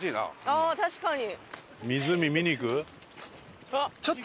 ああ確かに。